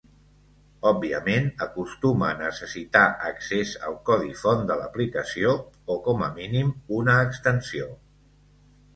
Òbviament, acostuma a necessitar accés al codi font de l'aplicació (o com a mínim, una extensió).